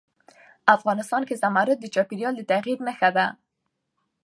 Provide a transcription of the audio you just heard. افغانستان کې زمرد د چاپېریال د تغیر نښه ده.